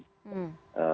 produseman aja mbak putri